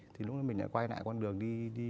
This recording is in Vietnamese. thì lúc đó mình lại quay lại con đường đi